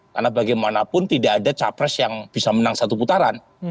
karena bagaimanapun tidak ada capres yang bisa menang satu putaran